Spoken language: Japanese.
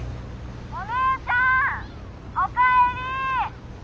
お姉ちゃんおかえり！